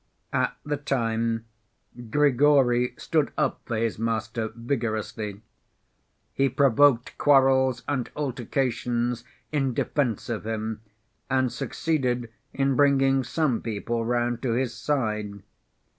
At the time, Grigory stood up for his master vigorously. He provoked quarrels and altercations in defense of him and succeeded in bringing some people round to his side.